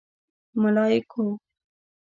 _ملايکو!